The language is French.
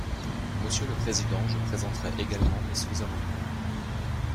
Monsieur le président, je présenterai également mes sous-amendements.